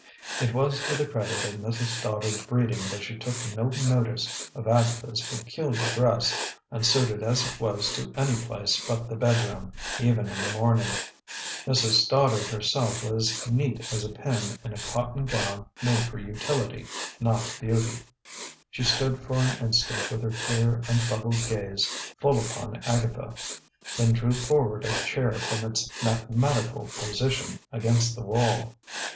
It was to the credit of Mrs. Stoddard's breeding that she took no notice of Agatha's peculiar dress, unsuited as it was to any place but the bedroom, even in the morning. Mrs. Stoddard herself was neat as a pin in a cotton gown made for utility, not beauty. She stood for an instant with her clear, untroubled gaze full upon Agatha, then drew forward a chair from its mathematical position against the wall.